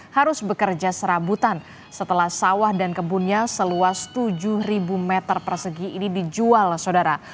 harus bekerja serabutan setelah sawah dan kebunnya seluas tujuh meter persegi ini dijual saudara